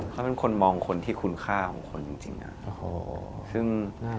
เขาเป็นคนมองคนที่คุณค่าของคนจริงอะ